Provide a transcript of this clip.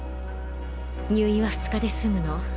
入院は２日で済むの。